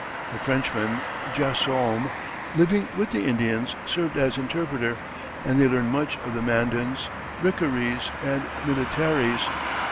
A Frenchman, Jesseaume, living with the Indians, served as interpreter, and they learned much of the Mandans, Rickarees, and Minnetarees.